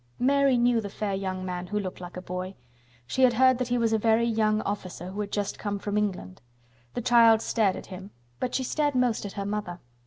Mary knew the fair young man who looked like a boy. She had heard that he was a very young officer who had just come from England. The child stared at him, but she stared most at her mother.